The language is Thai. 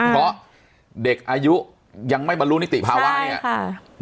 เพราะเด็กอายุยังไม่บรรลุนิติภาวะเนี่ย